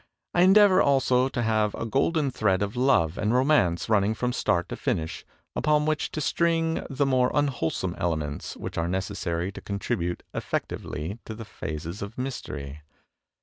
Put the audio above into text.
I endeavor also to have a golden thread of love and romance running from start to finish, upon which to string the more unwholesome elements which are necessary to con tribute effectively to the phases of mystery.